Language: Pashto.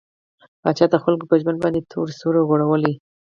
پاچا د خلکو په ژوند باندې تور سيورى غوړولى.